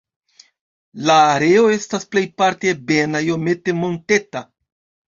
La areo estas plejparte ebena, iomete monteta.